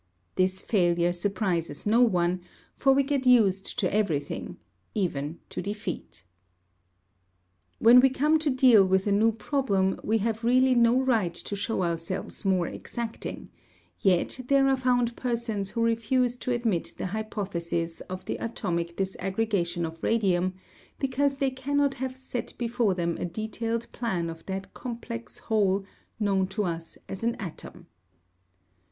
This failure surprises no one, for we get used to everything even to defeat. When we come to deal with a new problem we have really no right to show ourselves more exacting; yet there are found persons who refuse to admit the hypothesis of the atomic disaggregation of radium because they cannot have set before them a detailed plan of that complex whole known to us as an atom.